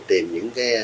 tìm những cái